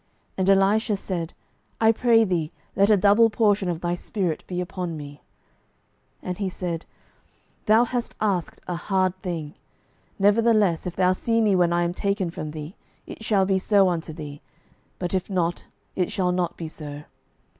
And Elisha said, I pray thee, let a double portion of thy spirit be upon me. 12:002:010 And he said, Thou hast asked a hard thing: nevertheless, if thou see me when I am taken from thee, it shall be so unto thee; but if not, it shall not be so.